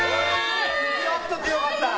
ちょっと強かった。